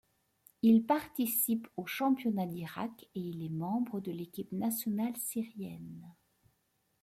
Il participe au championnat d'Irak et il est membre de l'équipe nationale syrienne.